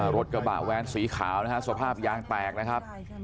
รถกระบะแว้นสีขาวนะฮะสภาพยางแตกนะครับ